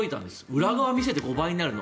裏側を見せて５倍になるの。